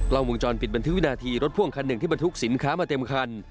ลวงจรปิดบันทึกวินาทีรถพ่วงคันหนึ่งที่บรรทุกสินค้ามาเต็มคัน